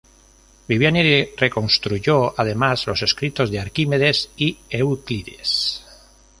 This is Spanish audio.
Viviani reconstruyó además los escritos de Arquímedes y Euclides.